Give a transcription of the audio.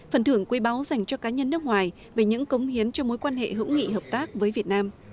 phần thưởng quý báo dành cho cá nhân nước ngoài về những cống hiến cho mối quan hệ hữu nghị hợp tác với việt nam